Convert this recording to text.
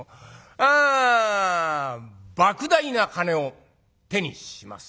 あばく大な金を手にします。